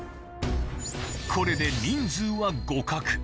これで人数は互角